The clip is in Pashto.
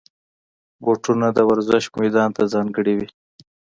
بوټونه د ورزش میدان ته ځانګړي وي.